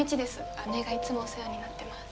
姉がいつもお世話になってます。